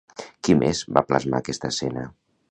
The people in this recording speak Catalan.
Qui més va plasmar aquesta escena?